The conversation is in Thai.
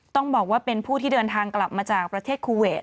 ต้องบอกว่าเป็นผู้ที่เดินทางกลับมาจากประเทศคูเวท